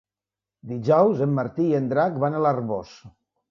Dijous en Martí i en Drac van a l'Arboç.